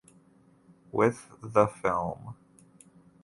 With the film.